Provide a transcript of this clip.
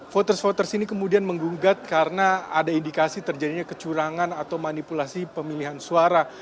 voters voters ini kemudian menggugat karena ada indikasi terjadinya kecurangan atau manipulasi pemilihan suara